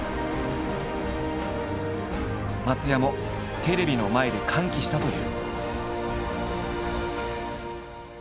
松也もテレビの前で歓喜したという。